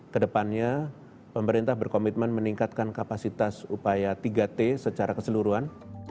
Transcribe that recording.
kedepannya pemerintah berkomitmen meningkatkan kapasitas upaya tiga t secara keseluruhan